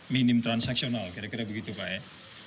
minim transaksional kira kira begitu pak ya